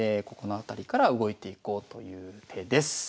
ここのあたりから動いていこうという手です。